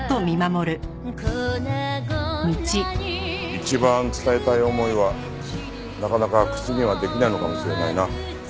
一番伝えたい思いはなかなか口にはできないのかもしれないな。